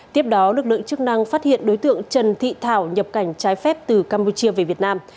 tiếp đó lực lượng chức năng phát hiện đối tượng trần thị thảo nhập cảnh trái phép từ campuchia về việt nam